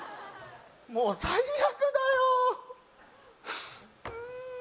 もう最悪だようん